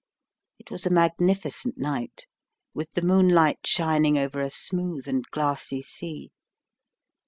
It was a magnificent night, with the moonKght shining over a smooth and glassy sea.